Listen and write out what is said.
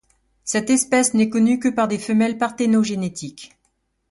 Cette espèce n'est connue que par des femelles parthénogénétiques.